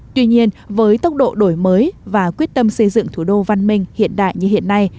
tuy nhiên với tốc độ đổi mới và quyết tâm xây dựng thủ đô văn minh hiện đại như hiện nay